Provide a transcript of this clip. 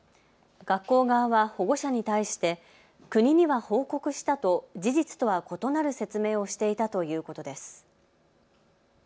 学校側は保護者に対して国には報告したと事実とは異なる説明をしていたということです。